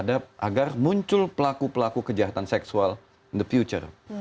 agar muncul pelaku pelaku kejahatan seksual the future